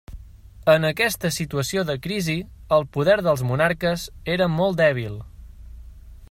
En aquesta situació de crisi, el poder dels monarques era molt dèbil.